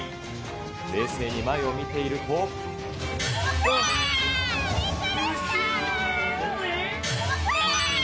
冷静に前を見ていると。びっくりした！